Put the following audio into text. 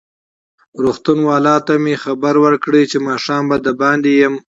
روغتون والاوو ته مې خبر ورکړ چې ماښام به دباندې یم.